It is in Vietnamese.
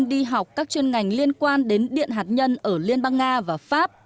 evn đã đi học các chuyên ngành liên quan đến điện hạt nhân ở liên bang nga và pháp